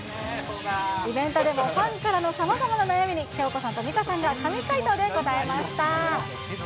イベントでもファンからのさまざまな悩みに、恭子さんと美香さんが神回答で答えました。